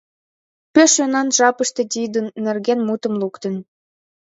Пеш йӧнан жапыште тидын нерген мутым луктым.